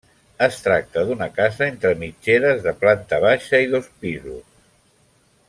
Es tracta d'una casa entre mitgeres de planta baixa i dos pisos.